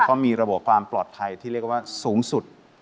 ก็มีระบบความปลอดภัยที่เรียกว่าสูงสุด